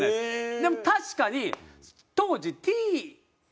でも確かに当時「Ｔ」。